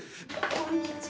こんにちは。